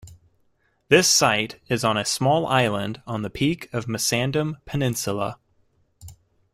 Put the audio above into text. This site is on a small island on the peak of Musandam Peninsula.